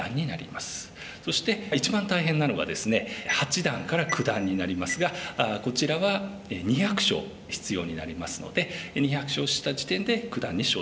そして一番大変なのがですね八段から九段になりますがこちらは２００勝必要になりますので２００勝した時点で九段に昇段となります。